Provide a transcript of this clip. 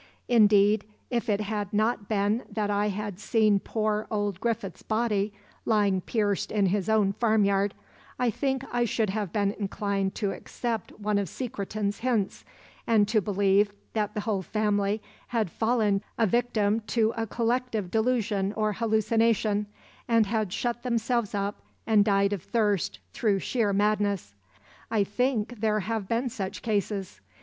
Indeed, if it had not been that I had seen poor old Griffith's body lying pierced in his own farmyard, I think I should have been inclined to accept one of Secretan's hints, and to believe that the whole family had fallen a victim to a collective delusion or hallucination, and had shut themselves up and died of thirst through sheer madness. I think there have been such cases.